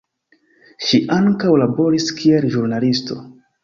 Ŝi ankaŭ laboris kiel ĵurnalisto.